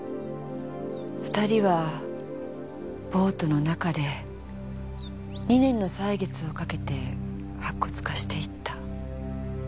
２人はボートの中で２年の歳月をかけて白骨化していった。